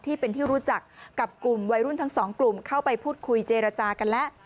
ที่เป็นที่รู้จักกับกลุ่มวัยรุ่นทั้งสองกลุ่มเข้าไปพูดคุยเจรจากันแล้ว